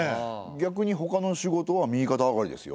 逆にほかの仕事は右かた上がりですよ。